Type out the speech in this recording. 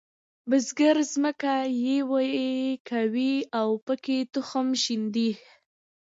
بزګر ځمکه یوي کوي او پکې تخم شیندي.